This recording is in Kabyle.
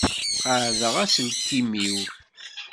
Qaɛdeɣ aselkim-iw.